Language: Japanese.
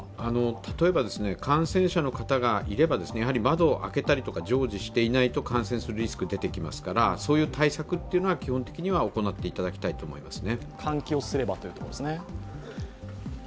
例えば感染者の方がいれば窓を開けたりとか常時していないと感染するリスクが出てきますからそういう対策は基本的には行っていただきたいと思いますね。